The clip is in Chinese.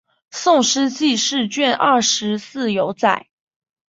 宋诗纪事卷二十四有载。